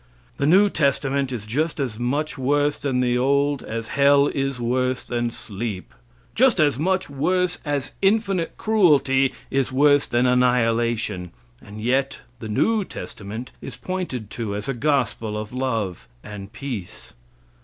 The new testament is just as much worse than the old, as hell is worse than sleep; just as much worse as infinite cruelty is worse than annihilation; and yet, the new testament is pointed to as a gospel of love and peace.